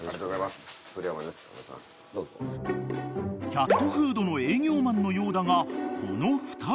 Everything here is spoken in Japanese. ［キャットフードの営業マンのようだがこの２人］